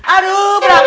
aduh berapa aduh